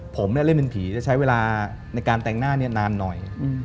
ผมเล่นเป็นผีจะใช้เวลาในการแต่งหน้านานหน่อย